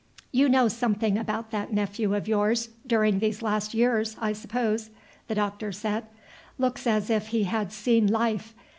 "You know something about that nephew of yours, during these last years, I suppose?" the Doctor said. "Looks as if he had seen life.